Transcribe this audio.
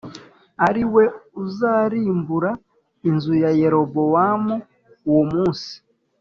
ari we uzarimbura inzu ya Yerobowamu uwo munsi